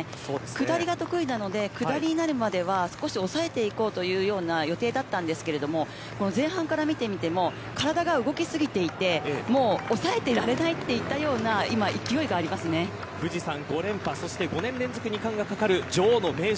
下りが得意なので下りになるまでは少し抑えていこうという予定だったんですけど前半から見てみても体が動き過ぎていてもう抑えていられないといったような富士山５連覇そして、５年連続２冠が懸かる女王の名城。